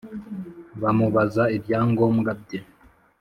bamubaza ibyangombwa bye